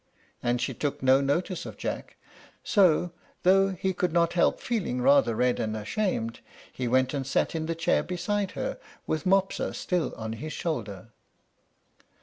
And she took no notice of Jack; so, though he could not help feeling rather red and ashamed, he went and sat in the chair beside her with Mopsa still on his shoulder.